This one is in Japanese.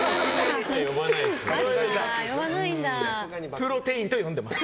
プロテインと呼んでます。